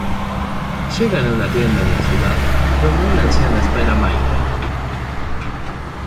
Llegan a una tienda en la ciudad, donde una anciana espera a Michael.